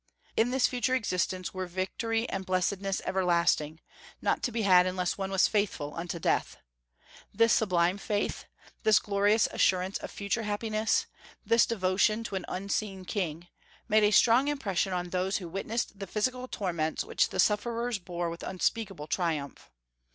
In this future existence were victory and blessedness everlasting, not to be had unless one was faithful unto death. This sublime faith this glorious assurance of future happiness, this devotion to an unseen King made a strong impression on those who witnessed the physical torments which the sufferers bore with unspeakable triumph.